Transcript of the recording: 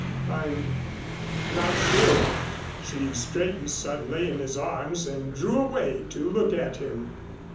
"I'm not sure." She straightened suddenly in his arms and drew away to look at him.